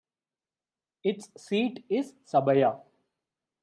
Its seat is Sabaya.